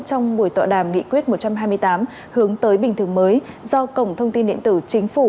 trong buổi tọa đàm nghị quyết một trăm hai mươi tám hướng tới bình thường mới do cổng thông tin điện tử chính phủ